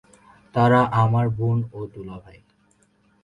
তাঁরা আমার বোন ও দুলাভাই।